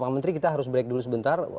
bang menteri kita harus break dulu sebentar